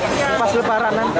buat rendang pas lebaran nanti